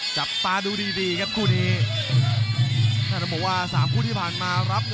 โชคครับ